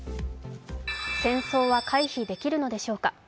戦争は回避できるのでしょうか。